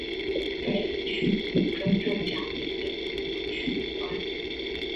该地区与中正桥南边的永和区无关。